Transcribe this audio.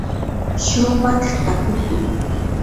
shumaq tapukuy.